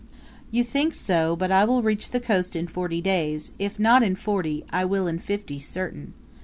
"You think so; but I will reach the coast in forty days; if not in forty, I will in fifty certain.